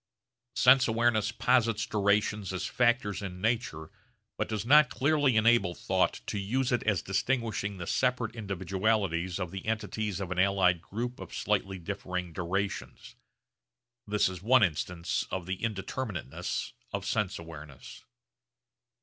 Sense awareness posits durations as factors in nature but does not clearly enable thought to use it as distinguishing the separate individualities of the entities of an allied group of slightly differing durations. This is one instance of the indeterminateness of sense awareness.